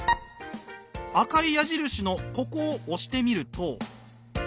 赤い矢印のここを押してみると。